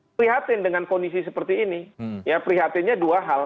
prihatin dengan kondisi seperti ini ya prihatinnya dua hal